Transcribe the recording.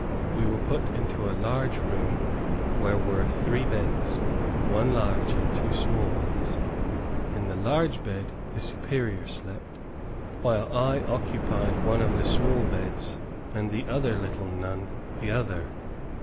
We were put into a large room, where were three beds, one large and two small ones. In the large bed the Superior slept, while I occupied one of the small beds and the other little nun the other.